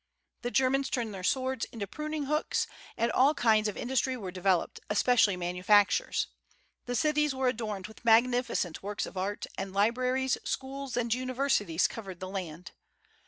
The Germans turned their swords into pruning hooks, and all kinds of industry were developed, especially manufactures. The cities were adorned with magnificent works of art, and libraries, schools, and universities covered the land.